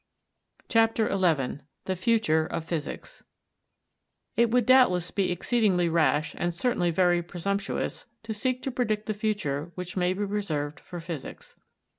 CHAPTER XI THE FUTURE OF PHYSICS It would doubtless be exceedingly rash, and certainly very presumptuous, to seek to predict the future which may be reserved for physics.